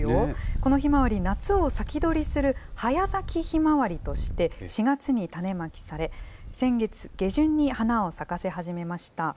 このひまわり、夏を先取りする早咲きひまわりとして、４月に種まきされ、先月下旬に花を咲かせ始めました。